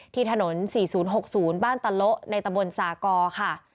ที่ถนน๔๐๖๐บ้านตะโละในตะบนสากอค่ะ